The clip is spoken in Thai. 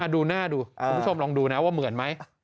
ดูหน้าดูคุณผู้ชมลองดูนะว่าเหมือนไหม